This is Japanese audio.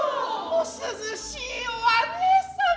お涼しいお姉様。